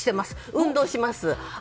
運動します。